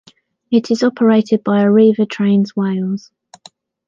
It is operated by Arriva Trains Wales.